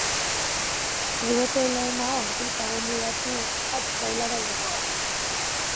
Ordubete lehenago artista gonbidatu bat taulara igoko da.